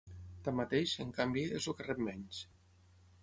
Tanmateix, en canvi, és el que rep menys.